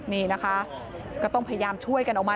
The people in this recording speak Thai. นี่นะคะก็ต้องพยายามช่วยกันออกมา